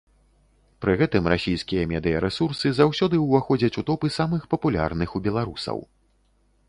Пры гэтым расійскія медыярэсурсы заўсёды ўваходзяць у топы самых папулярных у беларусаў.